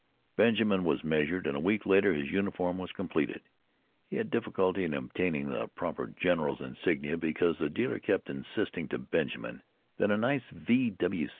Benjamin was measured, and a week later his uniform was completed. He had difficulty in obtaining the proper general's insignia because the dealer kept insisting to Benjamin that a nice V.